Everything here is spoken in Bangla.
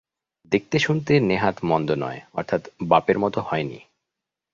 দেখতে শুনতে নেহাত মন্দ নয়, অর্থাৎ বাপের মতো হয় নি।